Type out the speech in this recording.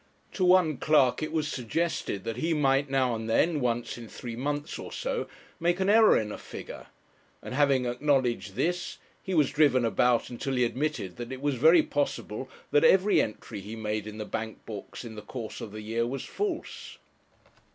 To one clerk it was suggested that he might now and then, once in three months or so, make an error in a figure; and, having acknowledged this, he was driven about until he admitted that it was very possible that every entry he made in the bank books in the course of the year was false.